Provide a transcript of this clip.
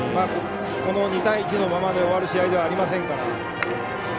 この２対１のままで終わる試合ではありませんから。